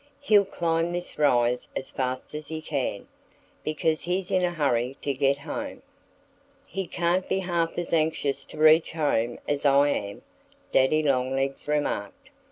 he'll climb this rise as fast as he can, because he's in a hurry to get home." "He can't be half as anxious to reach home as I am," Daddy Longlegs remarked.